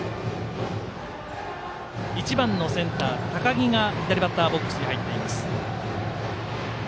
１番のセンター高木が左バッターボックスに入っています。